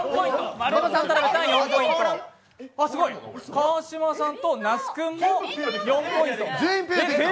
川島さんと那須君も４ポイント。